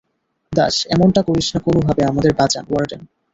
দাস, এমনটা করিস না কোনোভাবে আমাদের বাঁচান, ওয়ার্ডেন।